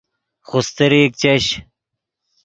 خوستریک چش